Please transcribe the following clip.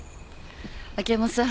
秋山さん。